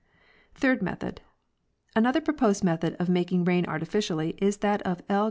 Third Method.—Another proposed method of making rain arti ficially is that of L.